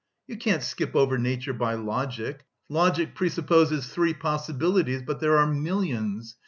You can't skip over nature by logic. Logic presupposes three possibilities, but there are millions!